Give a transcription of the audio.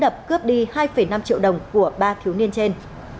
bước đi hai năm triệu đồng của ba thiếu niên trên